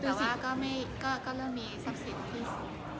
แต่ว่าก็เริ่มมีทรัพย์ศิษย์ที่สวนหายขนาดนี้